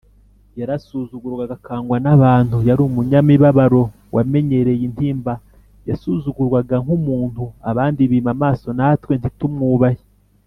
‘yarasuzugurwaga akangwa n’abantu, yari umunyamibabaro wamenyereye intimba, yasuzugurwaga nk’umuntu abandi bima amaso natwe ntitumwubahe